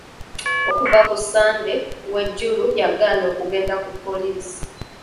Okuva ku Sande Wejuru yagaana okugenda ku poliisi.